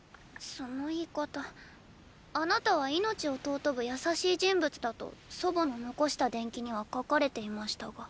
その言い方あなたは命を尊ぶ優しい人物だと祖母の残した伝記には書かれていましたが。